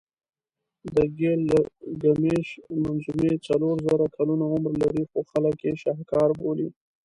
د ګیلګمېش منظومې څلور زره کلونه عمر لري خو خلک یې شهکار بولي.